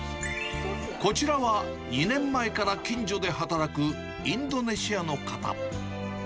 こちらは２年前から近所で働くインドネシアの方。